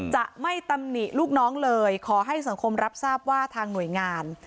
จะไม่ตำหนิลูกน้องเลยขอให้สังคมรับทราบว่าทางหน่วยงาน